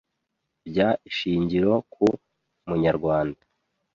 by ishingiro ku munyarwanda